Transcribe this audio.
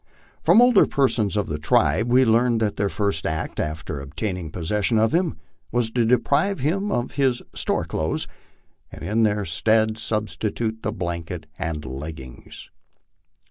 From older persons of the tribe we learned that their first act after obtaining possession of him was to deprive him of his " store clothes," and in their stead substitute the blanket and leggings.